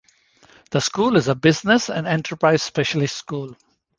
The school is a Business and Enterprise specialist school.